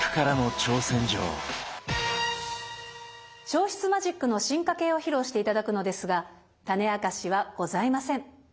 消失マジックの進化系を披露して頂くのですがタネあかしはございません。